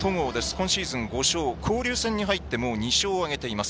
今シーズン５勝交流戦に入ってもう２勝を挙げています。